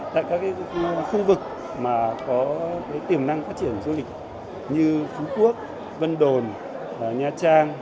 tại các khu vực mà có tiềm năng phát triển du lịch như phú quốc vân đồn nha trang